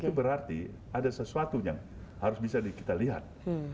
itu berarti ada sesuatu yang harus bisa kita lihat